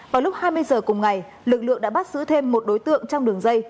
vào lúc hai mươi h cùng ngày lực lượng đã bắt giữ thêm một đối tượng trong đường dây